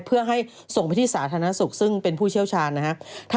เพื่อให้ส่งไปที่สาธารณสุขซึ่งเป็นผู้เชี่ยวชาญนะครับ